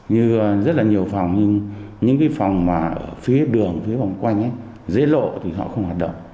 như rất là nhiều phòng những phòng phía đường phía vòng quanh dễ lộ thì họ không hoạt động